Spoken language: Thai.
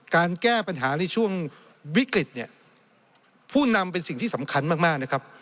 การแก้ปัญหาในช่วงวิกฤตเนี่ยผู้นำเป็นสิ่งที่สำคัญมากมากนะครับ